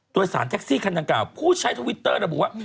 โดยสารแท็กซี่คันดังกล่าวผู้ใช้ทวิตเตอร์ระบุว่า